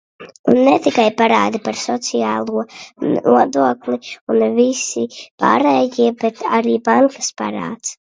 Un ne tikai parādi par sociālo nodokli un visi pārējie, bet arī bankas parāds!